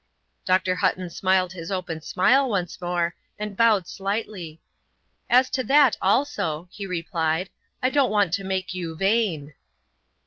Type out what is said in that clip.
Dr. Hutton smiled his open smile once more and bowed slightly. "As to that also," he replied, "I don't want to make you vain."